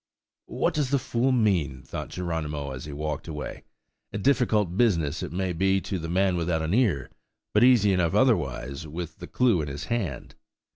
"What does the fool mean?" thought Geronimo, as he walked away. "A difficult business it may be to the man without an ear, but easy enough otherwise, with the clue in his hand.